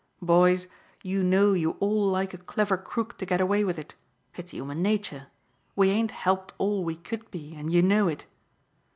Boys, you know you all like a clever crook to get away with it. It's human nature. We ain't helped all we could be and you know it.